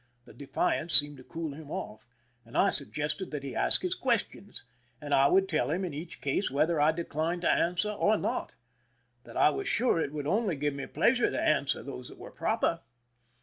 The defiance seemed to cool him off, and I suggested that he ask his questions, and I would teE'. him in each case whether I declined to answer or not ; that I was sure it would only give me pleasure to answer those that were proper.